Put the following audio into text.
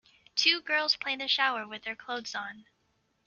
Two girls play in the shower with their clothes on.